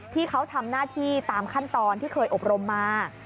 ที่เขาทำหน้าที่ตามขั้นตอนที่เคยอบรมมา